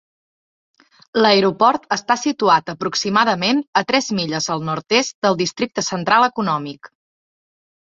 L'aeroport està situat aproximadament a tres milles al nord-est del districte central econòmic.